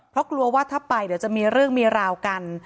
เพราะกลัวว่าถ้าไปเดี๋ยวจะมีเรื่องมีราวกัน